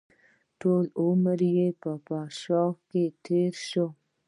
ټول عمر يې په فحشاوو کښې تېر شوى و.